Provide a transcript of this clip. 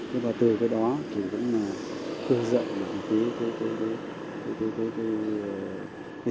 và từ cái đó thì cũng là cư dậy một tí